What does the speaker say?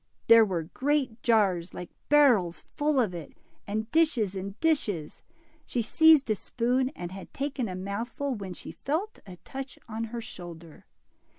There were great jars, like barrels, full of it, and dishes and dishes. She seized a spoon and had taken a mouthful, when she felt a touch on her shoulder.